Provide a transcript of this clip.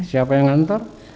siapa yang hantar